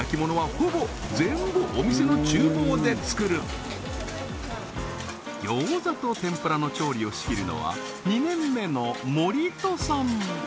ライフでは餃子と天ぷらの調理を仕切るのは２年目の森戸さん